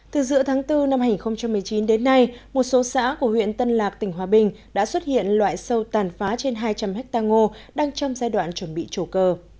từ giữa tháng bốn năm hai nghìn một mươi chín đến nay một số xã của huyện tân lạc tỉnh hòa bình đã xuất hiện loại sâu tàn phá trên hai trăm linh ha ngô đang trong giai đoạn chuẩn bị trổ cơ